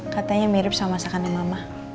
katanya mirip sama masakan yang mama